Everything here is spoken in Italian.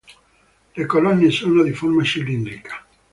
Le colonne sono di forma cilindrica.